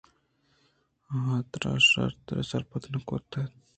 آترا شرّترسرپد کُت کنت